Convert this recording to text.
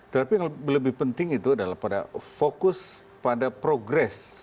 tapi yang lebih penting itu adalah fokus pada progress